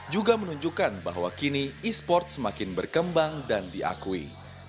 juga menunjukkan bahwa kini esports semakin berkembang dan diakui